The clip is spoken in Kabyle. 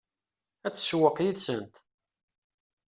Ad tsewweq yid-sent?